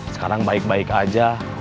sekarang baik baik aja